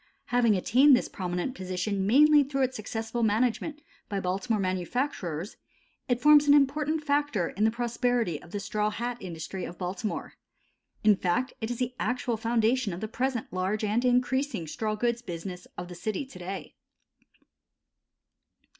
Having attained this prominent position mainly through its successful management by Baltimore manufacturers, it forms an important factor in the prosperity of the straw hat industry of Baltimore. In fact it is the actual foundation of the present large and increasing straw goods business of the city to day.